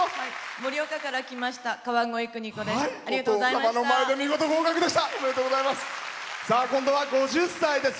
盛岡から来ましたかわごえです。